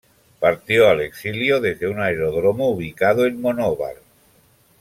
Partió al exilio desde un aeródromo ubicado en Monóvar.